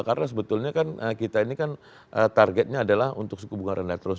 karena sebetulnya kan kita ini kan targetnya adalah untuk suku bunga rendah terus